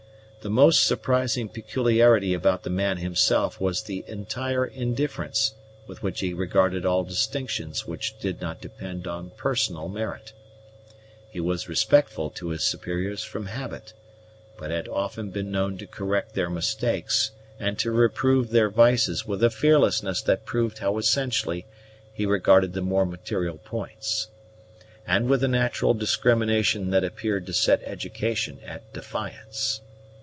The most surprising peculiarity about the man himself was the entire indifference with which he regarded all distinctions which did not depend on personal merit. He was respectful to his superiors from habit; but had often been known to correct their mistakes and to reprove their vices with a fearlessness that proved how essentially he regarded the more material points, and with a natural discrimination that appeared to set education at defiance.